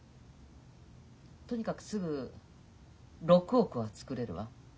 とにかくすぐ６億は作れるわ。